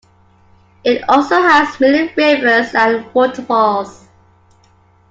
It also has many rivers and waterfalls.